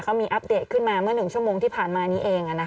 เขามีอัปเดตขึ้นมาเมื่อ๑ชั่วโมงที่ผ่านมานี้เอง